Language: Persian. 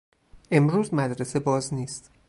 امروز مدرسه باز نیست.